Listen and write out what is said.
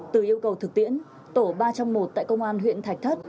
từ yêu cầu thực tiễn tổ ba trong một tại công an huyện thạch thất